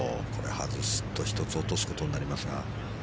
外すと１つ落とすことになりますが。